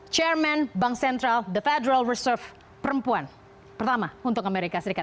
perempuan pemerintah bank sentral pertama untuk amerika serikat